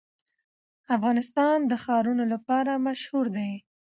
افغانستان د ښارونه لپاره مشهور دی.